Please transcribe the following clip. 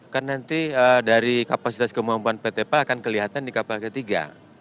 kan nanti dari kapasitas kemampuan pt pa akan kelihatan di kapal ketiga